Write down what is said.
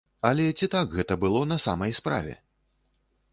Але ці так гэта было на самай справе?